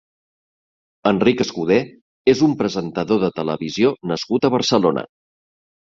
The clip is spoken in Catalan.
Enric Escudé és un presentador de televisió nascut a Barcelona.